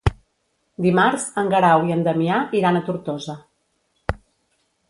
Dimarts en Guerau i en Damià iran a Tortosa.